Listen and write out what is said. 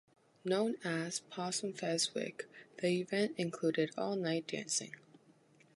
Known as "Possum Fes' Wik", the event included all-night dancing.